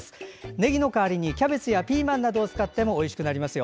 ねぎの代わりに、キャベツやピーマンなどを使ってもおいしくなりますよ。